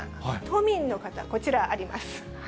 都民の方、こちらあります。